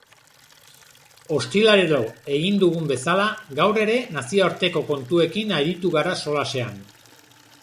Ostiralero egin dugun bezala, gaur ere nazioarteko kontuekin aritu gara solasean.